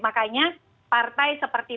makanya partai seperti